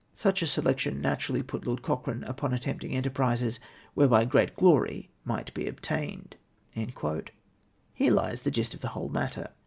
Such a selection naturally put Lord Cochrane upon attempting enterprises whereby great glory might be obtained." Here lies the gist of the whole matter.